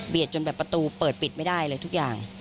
จนแบบประตูเปิดปิดไม่ได้เลยทุกอย่าง